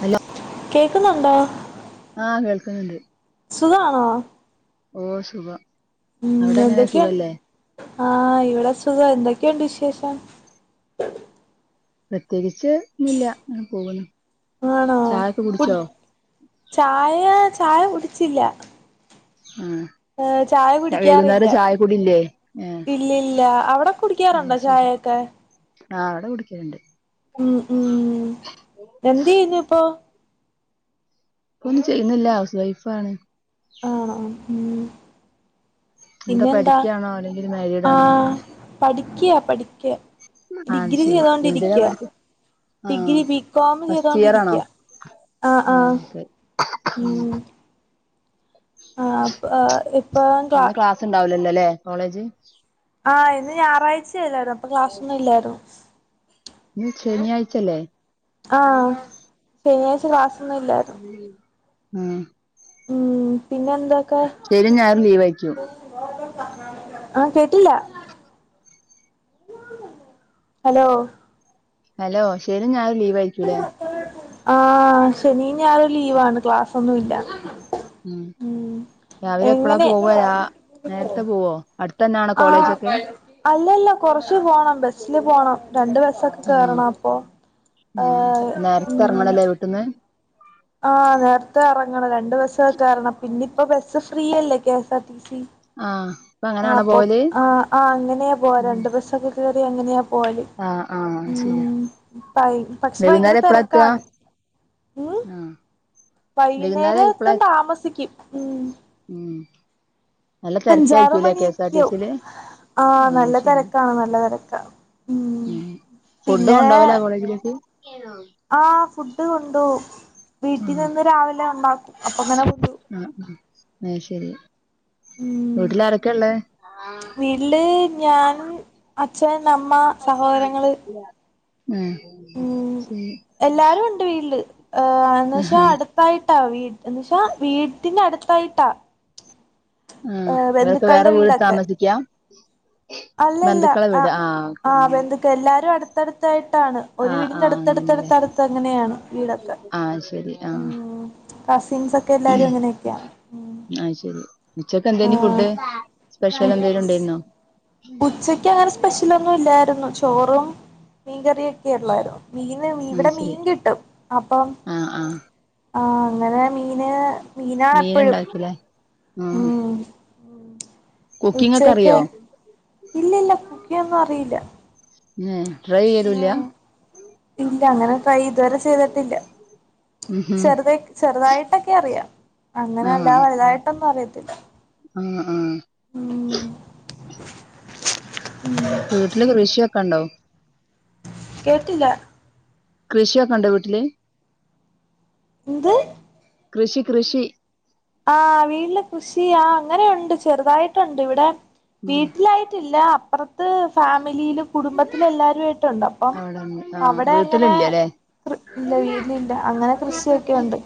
Hello? കേക്ക്ന്നുണ്ടോ? ആഹ കേൾക്ക്ന്ന്ണ്ട്. സുഖാണോ? ഓ സുഖം അവിടെ എങ്ങനെ സുഖല്ലേ? ആഹ ഇവിടെ സുഖം എന്തെക്കെണ്ട് വിശേഷം. പ്രത്യേകിച്ച് ഒന്നുല്യ അങ്ങനെ പോക്ന്നു. ആണോ ഫുഡ് ചായ ചായ കുടിച്ചില്ല. ആഹ് ഏ ചായ കുടിക്കാറില്ല വൈകുന്നേരം ചായ കുടില്ലേ ഏഹ് ഇല്ലില്ല അവിടെ കുടിക്കാറ്ണ്ടോ ചായൊ ക്കെ ആ ഇവടെ കുടിക്കല്ണ്ട്. ഉം ഉം എന്തേയ്യ്ന്ന്പ്പൊ ഇപ്പൊന്നും ചെയ്യുന്നില്ല ഹൗസ് വൈഫാണ്. ആണോ ഉം പിന്നെ എന്താ പഠിക്കാണോ അല്ലെങ്കിൽ മാരീഡ് ആ ആണോ പഠിക്യാ. ആഹ് അത് ഡിഗ്രി ശരി എന്തിനാ ചെയ്തോണ്ടിരിക്യാ. പഠിക്ക ആഹ് ഡിഗ്രി ബികോമ് ഫസ്റ്റ് ഇയർ ആണോ ചെയ്തോണ്ടിരിക്യാ. ആ ആ ആഹ് ഓക്കെ ഉം. ആ ഇപ്പൊ ഇപ്പൊ ക്ലാസ് ല്ലലെ കോളേജ്. ആ ഇന്ന് ഞായറാഴ്ചയല്ലായിരുന്നോ അപ്പൊ ക്ലാസ്സൊന്നും ഇല്ലായിരുന്നു. ഇന്ന് ശെനിയാഴ്ച്ചല്ലേ? ആഹ് ശനിയാഴ്ച ക്ലാസൊന്നും ഇല്ലായിരുന്നു. ആഹ് ഉം പിന്നെ എന്താക്കാ. ശനിയും ഞായറും ലീവ് ആയിരിക്കും ആ കേട്ടില്ല. അലോ? ഹലോ ശെനിം ഞായറും ലീവായ്ക്കൂല്ലേ? ആഹ് ശെനിം ഞായറും ലീവാണ് ക്ലാസ്സൊന്നുല്ല. ഉം രാവിലെ എപ്പളാ എങ്ങെനെ. പോവ രാ നേരത്തെ പോവോ അടുത്തന്നാണോ ആ കോളേജൊക്കെ അല്ലല്ല കൊർച്ച് പോണം. ബസില് പോണം. രണ്ട് ബസ്സൊക്കെ ആഹ് കേറണം. അപ്പൊ ഏ ആഹ് നേരത്തെ ഉം എറങ്ങണല്ലേ വീട്ടിന്ന് ആ നേര്ത്തെ എറങ്ങണം. രണ്ട് ബസൊക്കെ കേറണം. പിന്നിപ്പം ബസ്സ് ഫ്രീയല്ലേ? KS R T C. ആഹ ആ അപ്പൊ ആ ആ അങ്ങനെയാ പോവാ ഉം രണ്ട് ബസ്സൊക്കെ കേറി അങ്ങനെയാ. പോവല് ആഹ് ആഹ് ശരിയാ ഉം ഭ ബസ്സില് ഭയങ്കര വൈകുന്നേരം എപ്പളാ എത്തുക തെരക്കാണ്. ഉം ആഹ് വൈകുന്നേരം എപ്പളാ വൈകുന്നേരത്താൻ എ- താമസികും. ഉം ഉം നല്ല തെരക്കായിരിക്കൂലെ? K S R T C ല്. ആഹ നല്ല തിരക്കാണ് നല്ല തിരക്ക് ഉം ഫുഡ് കൊണ്ടാവല കോളേജിലേക്ക് ആഹ ഫുഡ് കൊണ്ടോവും വീട്ടിൽ നിന്ന് രാവിലെ ഉണ്ടാക്കും അപ്പൊ അങ്ങനെ കൊണ്ടോവും ആഹ ആഹ ശരി ഉം വീട്ടില് ആരൊക്കെ ഉള്ളേ വീട്ടില് ഞാൻ അച്ഛൻ പിന്നെ അമ്മ സഹോദരങ്ങള് മ്മ് ഉം ശരി ഏ എന്നുവച്ചാ ആഹ് അടുത്തായിട്ടാ വീട് എന്നച്ചാ വീടിന്റെ അടുത്തായിട്ടാ അഇവർക്ക് വേറെ ബന്ധുക്കളുടെ വീടി വീടൊക്കെ താമസിക്കാം അല്ലല്ല ആ ആ് അപ്പൊ അങ്ങനെ ബന്ധുക്കൾ എല്ലാരും അടുത്തടുത്തായിട്ട് താണ് ഒരു ആഹ് വീടിന്റെ ആഹ് അങ്ങനെല്ലേ അടുത്ത്ടുത്ത്ടുത്ത്ടുത്ത് അങ്ങനെയാണ് വീടൊക്കെ ആഹ് ശരി ആഹ് ഉംകസിൻസ് ഒക്കെ എല്ലാരും അങ്ങനെയൊക്കെയ ഉച്ചക്കെ എന്ത ഫുഡ് സ്പെഷ്യൽ എന്തേും ഉണ്ടായിരുന്നോ ഉച്ചക്ക് അങ്ങനെ സ്പെഷ്യലൊന്നും ഇല്ലായിരുന്നു ചോറും മീൻകറിയും ഒക്കെ ഉള്ളായിനു മീന് ആഹ് ഇവിടെ ശരി മീൻ കിട്ടും അപ്പം ആഹ് ആഹ് ആ അങ്ങനെ മീന് മീനാണ് മീന് എപ്പഴും ണ്ടാക്കില്ലേ മ് ഉം ഉച്ചയൊക്കെ ഇല്ലല്ല കുക്കിങ്ങൊന്നും അറില്ല ഏഹ് ട്രൈ ചെയ്യലുല്ല അഹ് ഇല്ല അങ്ങനെ കൈ ഇതുവരെ ചെയ്തിട്ടില്ല. ഉം ഉം ചെറ്ത് ചെറുതായിട്ടൊക്കറിയാ അങ്ങനെ അല്ല വലുതായിട്ടൊന്നും അറിയത്തില്ല ആ ആ ഉം വീട്ടില് കൃഷിയൊക്കെ ണ്ടോ കേട്ടില്ല കൃഷിയൊക്കെണ്ടോ വീട്ടില് എന്ത് കൃഷി കൃഷി ആഹ് വീട്ടില് കൃഷിആ അങ്ങനെയുണ്ട് ചെറുതായിട്ടുണ്ട് ഇവിടെ. ഉം വീട്ടിലായിട്ടില്ല അപ്പറത്ത് ഫാമിലിയിലും. കുടുംബത്തിലെ എല്ലാവരുമായിട്ടുണ്ട് അപ്പം അവിടെണ്ട് ആഹ് അവടെ അങ്ങനെ വീട്ടിലില്ലല്ലേ ഇല്ല വീട്ടിലില്ല അങ്ങനെ കൃഷിയൊക്കെയുണ്ട്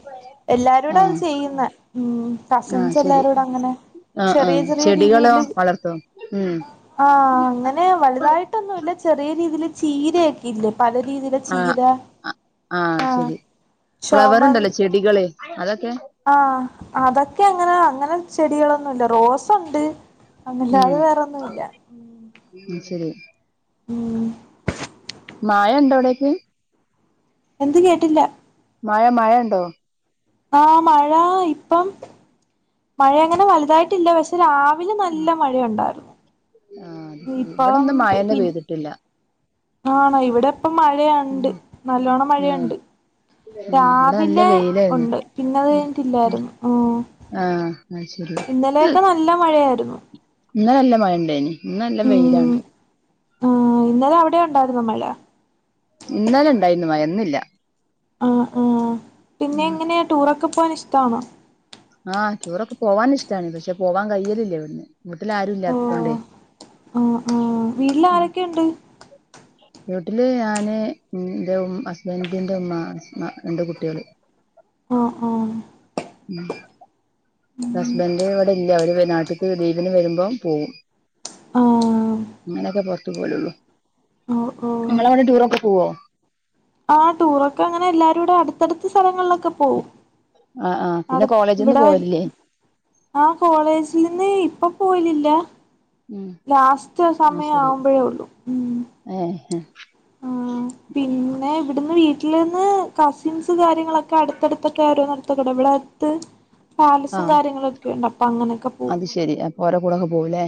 എല്ലാരൂടെ അത് ആഹ് ചെയ്യുന്നെ. ഉം ആഹ് കസിൻസ് ശരി എല്ലാരുടങ്ങനെ ആഹ് ആഹ് ചെടികളോ വളർത്തോ ഉം. ആഹ് അങ്ങനെ വലുതായിട്ടൊന്നുല്ല ചെറിയ രീതില് ചീരയൊക്കെണ്ട് പല രീതിയിലെ ആഹ് ചീര ആഹ് ആ ശരി ഫ്ലവർ ചോമന്ന് ഉണ്ടല്ലോ ചെടികള് അതൊക്കെ ആ അതൊക്കെ അങ്ങനെ അങ്ങനെ ചെടികളൊന്നുല്ല റോസണ്ട് ഉം ഒന്നുല്ലാതെ വേറോന്നുല്ല ഉം ശരി മ്മ് മായണ്ടോ അടക്കെ. എന്ത് കേട്ടില്ല. മഴ മഴണ്ടോ. ആഹ് മഴ ഇപ്പം മഴ അങ്ങനെ വലുതായിട്ടില്ല പശ്- രാവിലെ നല്ല മഴ ഉണ്ടാര്ന്നു. ആ അത് ശരി ഇവിടെ ഈപ്പം ഇന്ന് പി മഴന്നെ പി പെയ്തിട്ടില്ല ആണോ ഇവിടെ. ഇപ്പൊ മഴയുണ്ട് ഉം നല്ലോണ്ണം ഉം മഴയുണ്ട് ഉം ഇവിടെ നല്ല രാവിലെ വെയിലായിരുന്നു ഉണ്ട് പിന്നെത് ഉം ഉം കഴിഞ്ഞിട്ടില്ലായിരുന്നു ആ അത് ശരി ഇന്നലെയൊക്കെ നല്ല മഴയായിരുന്നു ഇന്നലെ നല്ല മഴ ഉണ്ടെന് ഇന്ന് നല്ല വെയിൽ ആണ് ആ ഇന്നലെ അവിടെ ഉണ്ടായിരുന്നു. മഴ ഇന്നലണ്ടായിരുന്നു മയന്നില്ല ആ ആഹ പിന്നെ എങ്ങനെയാ ടൂറൊക്കെ പോവാൻ ഇഷ്ടമാണോ ആഹ് ടൂറൊക്കെ പോകൻ ഇഷ്ടാണ് പക്ഷെ പോവാൻ കയ്യലില്ലവിടുന്ന് വീട്ടില്ലാരുംഇല്ലാത്തോണ്ടേ ആഹ് ആഹ് ആഹ് വീട്ടിൽ ആരൊക്കെയുണ്ട്? വീട്ടില് ഞാന് എന്റെ ഹസ്ബൻഡന്റെ ഉമ്മ രണ്ട് കുട്ടികള് ആഹ ആഹ ഉ ഹസ്ബന്റ് ഇവിടെ ഇല്ല അവര് നാട്ടിലക്ക് ലീവിന് വരുമ്പോം പോകവും ആഹ് അങ്ങനെയൊക്കെ പുറത്തു പോലള്ളൂ ഓഹ് ഞളെ അങ്ങ ടൂറൊക്കെ പോവോ ആ ടൂറൊക്കെ അങ്ങനെ എല്ലാരും കൂടെ അടുത്തടുത്ത സ്ഥലങ്ങളിലൊക്കെ പോവും. ആഹ് ആഹ് അട പിന്നെ കോളേജിന്ന് ഇവിടെ പോവലില്ലേ ആ കോളേജിൽ നിന്ന് ഇപ്പൊ പോയിലില്ല ഉം ലാസ്റ്റ് ആഹ് സമയം ശരി ആവുമ്പോഴേ ഉള്ളു ഉം ഏഹ് ആഹ് പിന്നെ ഇവിടുന്ന് വീട്ടിൽ വീട്ടിൽ നിന്ന് കസിൻസ് കാര്യങ്ങളൊക്കെ അടുത്തടുത്തൊക്കെ ആരോ നിർത്ത കൂട ഇവിടെ അടുത്ത് പാലസും ആഹ് കാര്യങ്ങളും ഒക്കെ ഉണ്ട അപ്പൊ അങ്ങനെയൊക്കെ പോകും അത് ശെരി അപ്പൊ ഓരെ കൂടൊക്കെ പോവുലേ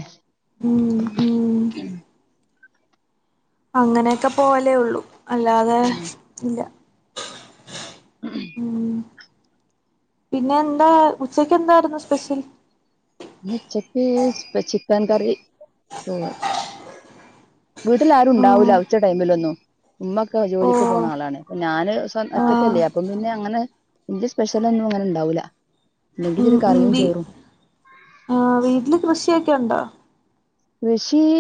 ഉം ഉം ആ [unintelligible] അങ്ങനെയൊക്കെ പോലെ ഉള്ളു അല്ലാതെ ഉം ഇല്ല ഉം പിന്നെ എന്താ ഉച്ചക്ക് എന്തായിരുന്നു സ്പെഷ്യൽ ചക്ക് ചിക്കൻ കറി വീട്ടിൽ ആ ആരുണ്ടാവൂല ഉച്ച ടൈമിലൊന്നും ഉുമൊക്കെ ഓ ജോലിക്ക് പോകുന്ന ആളാണ് ഇപ്പൊ ഞാന് ആ ഒറ്റക്കല്ലേ അപ്പം പിന്നെ അങ്ങനെ ഇന്റെ സ്പെഷ്യല ഒന്നും അങ്ങനെ ഉണ്ടാവില്ല കറിയും ചോറും ആഹ് വീട്ടില് കൃഷിയൊക്കെ ഉണ്ടോ കൃഷിയ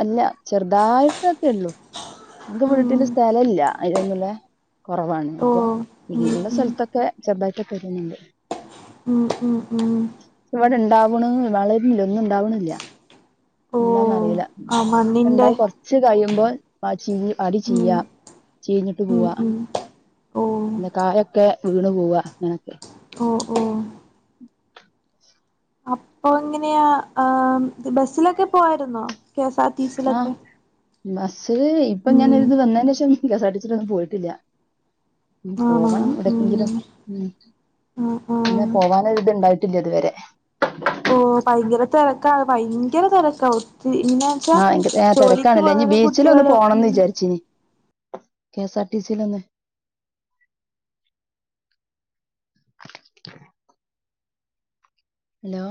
അല്ല ചെറുതായിട്ടൊക്കെ ഉള്ളു ക്ക് ഉം വീട്ടില് സ്ഥലല്ല അതൊന്നുള്ള കുറവാണ് ഓ അപ്പൊ ഉം ഇള്ള ഉം സ്ഥലത്തൊക്കെ ജബ്ബായിട്ടൊക്കെ വരണ്ട് മം ഉം ഉം ഉണ്ട വളരുന്നില്ല ഒന്നും ഓ ഉണ്ടാവണില്ല ആ അ മണ്ണിന്റെ ഉണ്ടായി കൊറച്ച് കഴിയുമ്പോൾ ച അടി ഉം ചെയ്യ ചീഞ്ഞിട്ട് ഉം പോവാ ഉം ഓ പി കായൊക്കെ വീണ് പോവാ അങ്ങനൊക്കെ ഓ ഓ അപ്പൊ ഇങ്ങനെയാ ബസിലൊക്കെ പോവായിരുന്നോ കേ സാർ ടി സിളൊക്കെ ബസ് ഇപ്പം ഞാന ഇങ്ങാനൊരുത് വന്നതിന് ശേഷം കസ ടിച്ചിട്ടൊന്നും പോയിട്ടില്ല ആണോ പോവണം ഉം ഇവിടക്കെങ്കിലും ഉ ആ ആ പിന്നെ പോവാന ഇത്ണ്ടായി ട്ടില്ലതുവരെ തിരക്കാ ഭയങ്കര തിരക്കാവട്ട ആഹ് തിരക്കാണല്ല ഇനി പോകുന്നവരും ബീച്ചിലന്ന് കുട്ടികളും പോണംന്ന് ഉം വിചാരിച്ചിനി കെ എസ് ആർ ടി സിയില ഒന്നെ അ [unintelligible] ഹലോ